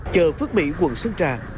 chợ phước mỹ quận sơn trà